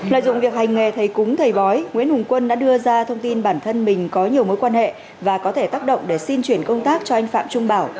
lợi dụng việc hành nghề thầy cúng thầy bói nguyễn hùng quân đã đưa ra thông tin bản thân mình có nhiều mối quan hệ và có thể tác động để xin chuyển công tác cho anh phạm trung bảo